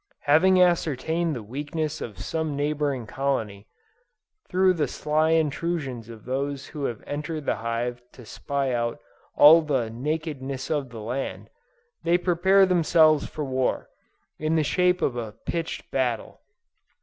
Having ascertained the weakness of some neighboring colony, through the sly intrusions of those who have entered the hive to spy out all "the nakedness of the land," they prepare themselves for war, in the shape of a pitched battle.